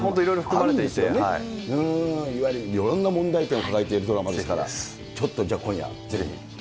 いや、いわゆるいろんな問題点を抱えているドラマですから、ちょっとじゃあ今夜、ぜひ。